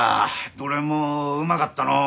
どれもうまかったのう。